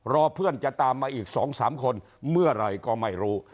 เพื่อนจะตามมาอีก๒๓คนเมื่อไหร่ก็ไม่รู้